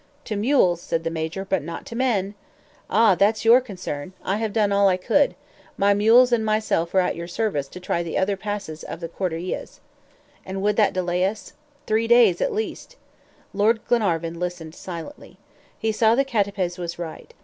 "To mules," said the Major, "but not to men." "Ah, that's your concern; I have done all I could. My mules and myself are at your service to try the other passes of the Cordilleras." "And that would delay us?" "Three days at least." Glenarvan listened silently. He saw the CATAPEZ was right.